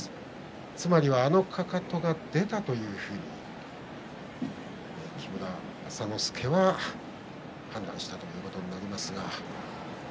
つまりは、あのかかとが出たというふうに木村朝之助は判断したということになります。